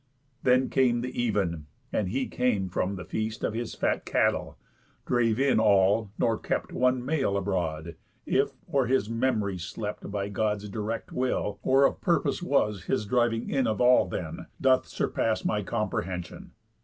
Then came the even, and he came from the feast Of his fat cattle, drave in all; nor kept One male abroad; if, or his memory slept By Gods' direct will, or of purpose was His driving in of all then, doth surpass My comprehension.